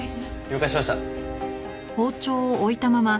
了解しました。